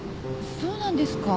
そうなんですか？